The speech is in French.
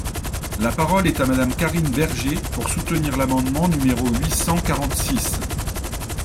La parole est à Madame Karine Berger, pour soutenir l’amendement numéro huit cent quarante-six.